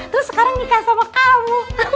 terus sekarang nikah sama kamu